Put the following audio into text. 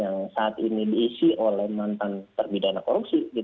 yang saat ini diisi oleh mantan terpidana korupsi